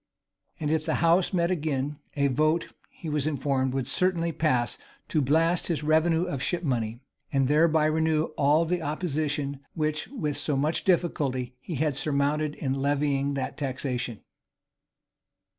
And if the house met again, a vote, he was informed, would certainly pass, to blast his revenue of ship money; and thereby renew all the opposition which, with so much difficulty, he had surmounted in levying that taxation.